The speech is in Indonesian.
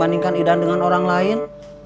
bandingkan idan dengan orang lain